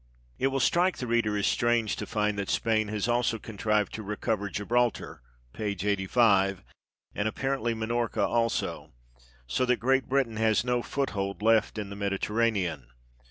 It will strike the reader as strange to find that Spain has also contrived to recover Gibraltar (p. 85), and apparently Minorca also, so that Great Britain has no foothold left in the Mediterranean.